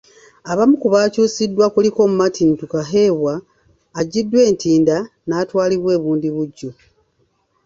Abamu ku bakyusiddwa kuliko Martin Tukahebwa aggiddwa e Ntinda n'atwalibwa e Bundibuggyo.